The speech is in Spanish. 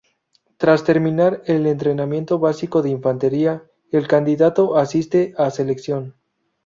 Tras terminar el entrenamiento básico de infantería el candidato asiste a Selección.